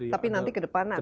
tapi nanti ke depan